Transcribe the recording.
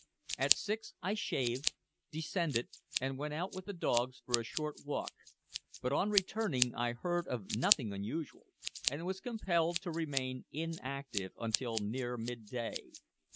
At six I shaved, descended, and went out with the dogs for a short walk; but on returning I heard of nothing unusual, and was compelled to remain inactive until near mid day.